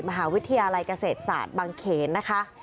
มหาวิทยาลัยเกษตรศาสตร์บางเขนนะคะ